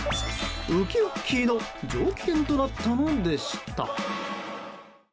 ウキウッキーの上機嫌となったのでした。